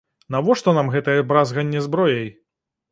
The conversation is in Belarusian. Навошта нам гэтае бразганне зброяй?